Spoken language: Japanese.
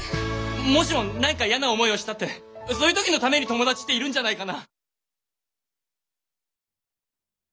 もしも何か嫌な思いをしたってそういう時のために友達っているんじゃないかな。